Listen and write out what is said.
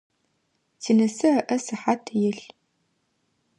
Тинысэ ыӏэ сыхьат илъ.